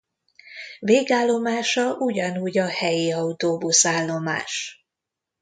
Végállomása ugyanúgy a Helyi autóbusz-állomás.